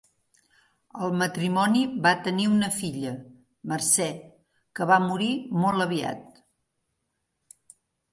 El matrimoni va tenir una filla, Mercè, que va morir molt aviat.